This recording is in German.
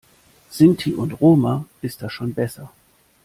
Sinti und Roma ist da schon besser.